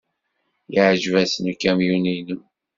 Yeɛjeb-asen ukamyun-nnem.